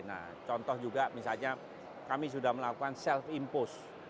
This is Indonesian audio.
nah contoh juga misalnya kami sudah melakukan self impost